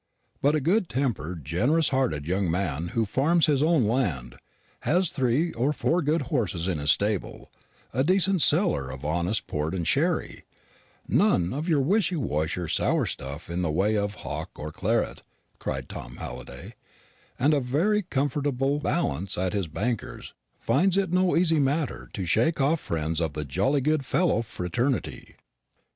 But a good tempered, generous hearted young man who farms his own land, has three or four good horses in his stable, a decent cellar of honest port and sherry "none of your wishy washy sour stuff in the way of hock or claret," cried Tom Halliday and a very comfortable balance at his banker's, finds it no easy matter to shake off friends of the jolly good fellow fraternity.